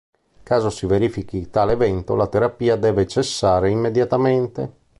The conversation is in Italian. In caso si verifichi tale evento la terapia deve cessare immediatamente.